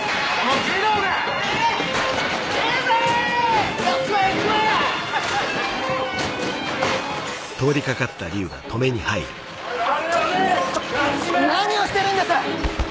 ちょ何をしてるんです！